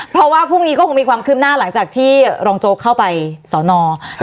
เพราะว่าพรุ่งนี้ก็คงมีความคืบหน้าหลังจากที่รองโจ๊กเข้าไปสอนอ